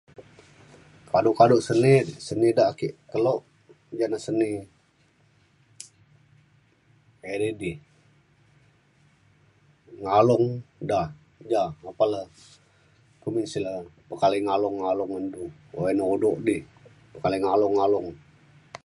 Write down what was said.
kado kado seni seni dak ake kelo ja na seni edei di ngalung da apan le kumbin sik le pekalai ngalung ngalung ngan du. o ina udok di pakalai ngalung ngalung.